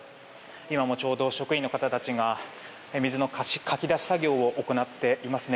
今もちょうど職員の方たちが水のかき出し作業を行っていますね。